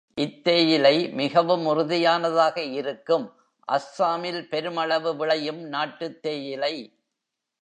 இத் தேயிலை மிகவும் உறுதியானதாக இருக்கும் அஸ்ஸாமில் பெரும் அளவு விளையும் நாட்டுத் தேயிலை.